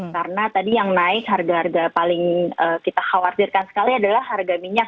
karena tadi yang naik harga harga paling kita khawatirkan sekali adalah harga minyak